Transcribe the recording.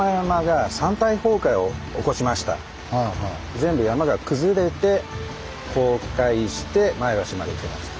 全部山が崩れて崩壊して前橋まで来ました。